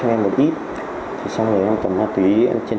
em mang ma túy từ tổng giáo bình biên